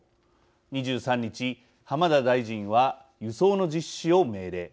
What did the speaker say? ２３日浜田大臣は輸送の実施を命令。